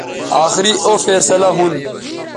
آخری او فیصلہ ھون